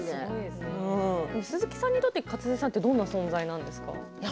鈴木さんにとって勝地さんはどんな存在ですか。